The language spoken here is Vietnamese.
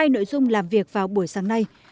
hai nội dung làm việc vào buổi sáng nay